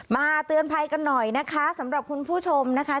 เตือนภัยกันหน่อยนะคะสำหรับคุณผู้ชมนะคะ